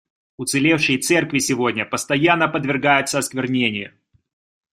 Уцелевшие церкви сегодня постоянно подвергаются осквернению.